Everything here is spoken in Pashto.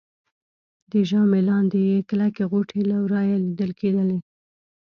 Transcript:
د ژامې لاندې يې کلکې غوټې له ورایه لیدل کېدلې